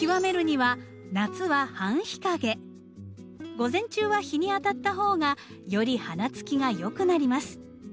午前中は日に当たった方がより花つきが良くなります。